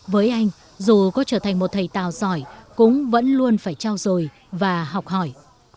với anh dù có trở thành một thầy tào giỏi cũng vẫn luôn phải trao dồi và học hỏi